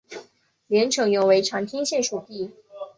连城原为长汀县属地。